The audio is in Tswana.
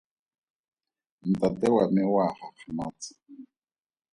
Ntate wa me o a gakgamatsa.